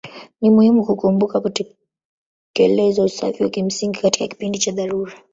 Ni muhimu kukumbuka kutekeleza usafi wa kimsingi katika kipindi cha dharura.